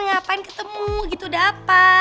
ngapain ketemu gitu udah apa